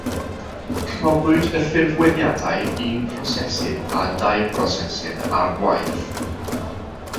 Rhoddwyd y ffurfweddiadau un prosesydd a dau brosesydd ar waith.